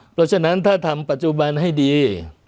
เพราะฉะนั้นถ้าทำปัจจุบันให้ดี